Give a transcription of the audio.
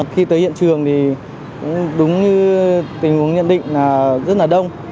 khi tới hiện trường thì cũng đúng như tình huống nhận định là rất là đông